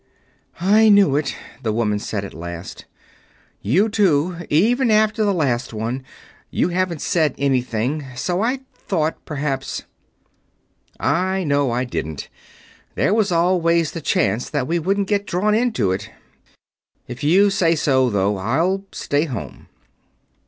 "I knew it," the woman said at length. "You, too even after the last one.... You haven't said anything, so I thought, perhaps...." "I know I didn't. There was always the chance that we wouldn't get drawn into it. If you say so, though, I'll stay home."